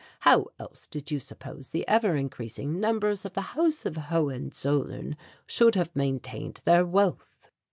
How else did you suppose the ever increasing numbers of the House of Hohenzollern should have maintained their wealth?"